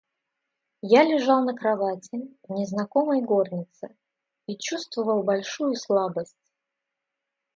Я лежал на кровати, в незнакомой горнице, и чувствовал большую слабость.